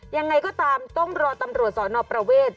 ยังไงก็ตามต้องรอตำรวจสอนอประเวท